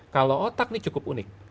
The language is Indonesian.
kalau otak ini cukup unik